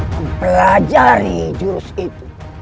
mempelajari jurus itu